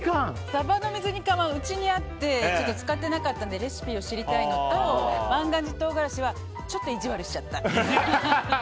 サバの水煮缶はうちにあって使ってなかったのでレシピを知りたいのと万願寺とうがらしはちょっと意地悪しちゃった。